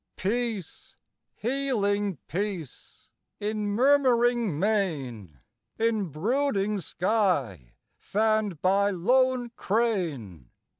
Peace, healing peace, in murmuring main, In brooding sky fanned by lone crane!